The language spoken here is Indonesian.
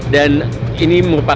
dan ini merupakan